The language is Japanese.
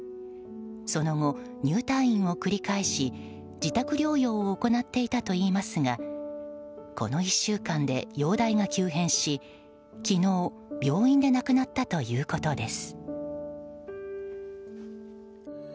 その後、入退院を繰り返し自宅療養を行っていたといいますがこの１週間で容体が急変し昨日、病院で亡くなったということです。